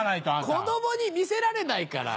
子供に見せられないから。